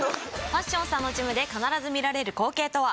パッションさんのジムで必ず見られる光景とは？